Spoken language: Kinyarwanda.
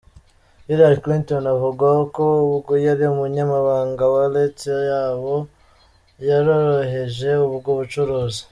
Hillary Cliton avugwaho ko ubwo yari Umunyamabanga wa Let, yaba yororoheje ubwo bucuruzi.